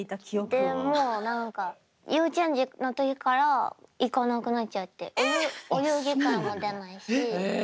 でもう何か幼稚園児の時から行かなくなっちゃってお遊戯会も出ないし。